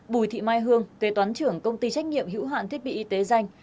bùi thị mai hương kế toán trưởng công ty trách nhiệm hữu hạn thiết bị y tế danh